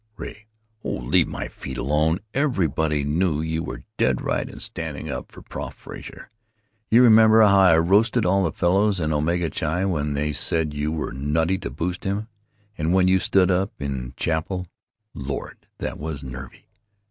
Ray: "Oh, leave my feet alone!... Everybody knew you were dead right in standing up for Prof Frazer. You remember how I roasted all the fellows in Omega Chi when they said you were nutty to boost him? And when you stood up in Chapel——Lord! that was nervy."